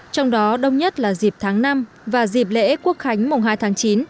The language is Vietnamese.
trong đó đông nhất là dịp tháng năm và dịp lễ quốc khánh mùng hai tháng chín